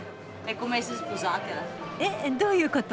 えっえどういうこと？